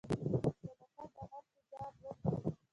صداقت د هر تجارت روح دی.